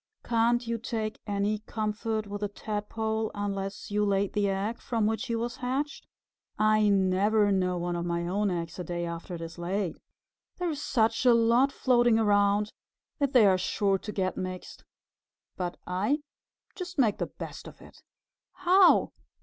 "Can't you take any comfort with a Tadpole unless you laid the egg from which he was hatched? I never know one of my own eggs a day after it is laid. There are such a lot floating around that they are sure to get mixed. But I just make the best of it." "How?"